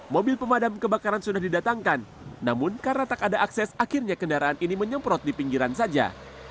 mobil pemadam kebakaran sudah didatangkan namun karena tak ada akses akhirnya kendaraan ini menyemprot di pinggiran saja